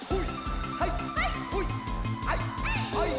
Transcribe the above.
はい！